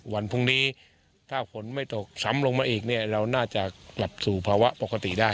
วันพรุ่งนี้ถ้าฝนไม่ตกซ้ำลงมาอีกเนี่ยเราน่าจะกลับสู่ภาวะปกติได้